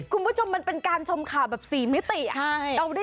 คุณผู้ชมมันเป็นการชมข่าวแบบ๔มิติ